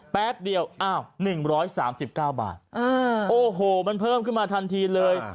แป๊บเดียวอ้าว๑๓๙บาทโอ้โหมันเพิ่มขึ้นมาทันทีเลย